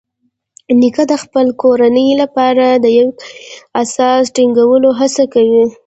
نیکه د خپل کورنۍ لپاره د یو قوي اساس ټینګولو هڅه کوي.